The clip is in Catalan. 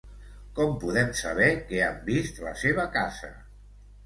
Com podem saber que han vist la seva casa?